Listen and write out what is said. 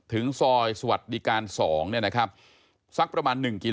ถึงซอยสวัสดีการ๒เนี่ยนะครับ